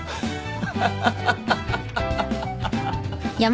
ハハハハハ！